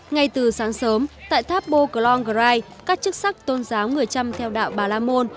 ngay từ sáng sớm tại tháp bô long grai các chức sắc tôn giáo người trăm theo đạo bà la môn